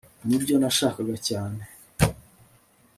nibyo nashakaga cyane